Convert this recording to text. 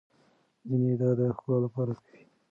ځينې دا د ښکلا لپاره کوي.